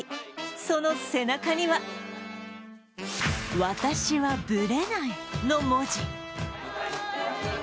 その背中には「わたしはブレない」の文字。